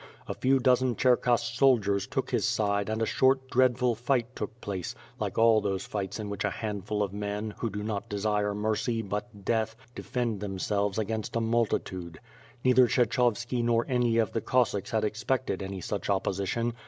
A few dozen Cherkass soldiers took his side and a short, dreadful fight took place — like all those fights in which a handful of men, who do not desire mercy but death, defend themselves against a multitude. Neither Kshechovski nor any of the Cossacks had expected any such opposition.